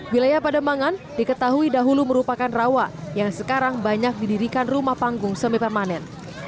wilayah pademangan diketahui dahulu merupakan rawa yang sekarang banyak didirikan rumah panggung semi permanen